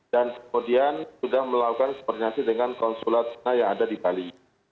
dan kemudian sudah melakukan pernyasi dengan konsulat sina yang ada di bali